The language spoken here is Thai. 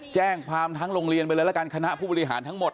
แจ้งความทั้งโรงเรียนไปเลยละกันคณะผู้บริหารทั้งหมด